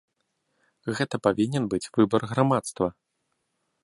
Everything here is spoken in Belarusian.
Гэта павінен быць выбар грамадства.